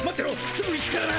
すぐ行くからな。